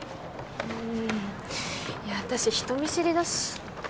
うんいや私人見知りだし。